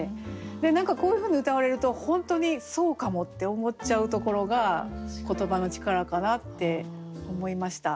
何かこういうふうにうたわれると本当にそうかもって思っちゃうところが言葉の力かなって思いました。